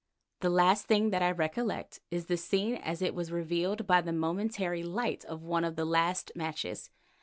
The last thing that I recollect is the scene as it was revealed by the momentary light of one of the last matches.